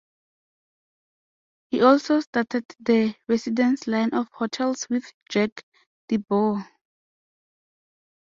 He also started The Residence line of hotels with Jack DeBoer.